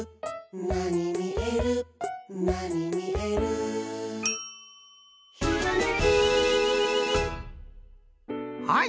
「なにみえるなにみえる」「ひらめき」はい！